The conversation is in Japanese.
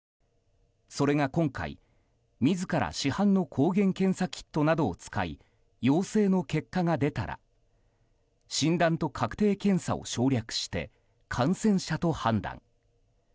それが今回、自ら市販の抗原検査キットなどを使い陽性の結果が出たら診断と確定検査を省略して感染者と判断。